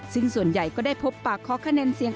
ซึ่งส่วนใหญ่ก็ได้พบปากขอคะแนนเสียง